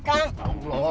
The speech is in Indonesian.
tunggu loh ya